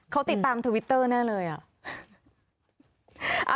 เขาติดตามทวิตเตอร์แน่เลยอ่ะ